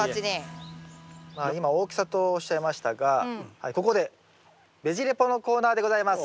今大きさとおっしゃいましたがここでべジ・レポのコーナーでございます。